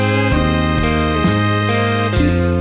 สวัสดีครับสวัสดีครับ